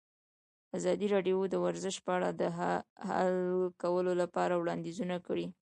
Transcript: ازادي راډیو د ورزش په اړه د حل کولو لپاره وړاندیزونه کړي.